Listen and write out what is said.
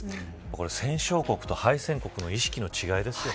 これ、戦勝国と敗戦国の意識の違いですよ。